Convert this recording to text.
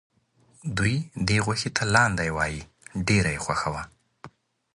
دوی دې غوښې ته لاندی وایه ډېره یې خوښه وه.